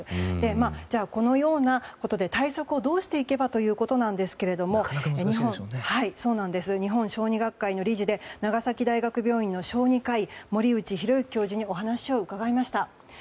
このようなことで対策をどうしていけばということですが日本小児学会の理事で長崎大学病院の小児科医森内浩幸教授にお話を伺いました。